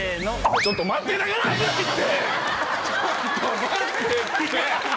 ちょっと待ってって！